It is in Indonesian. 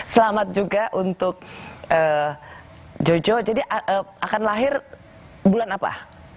selamat juga untuk jojo jadi akan lahir bulan apa